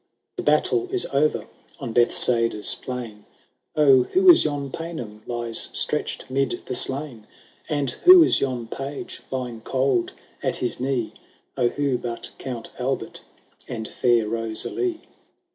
The battle is over on Bethsaida's plain. — Oh, who is yon Paynim lies stretched 'mid the slain ? And who is yon Page lying cold at his knee ?— Oh, who but Count Albert and fair Eosalie.